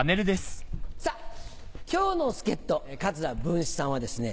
さぁ今日の助っ人桂文枝さんはですね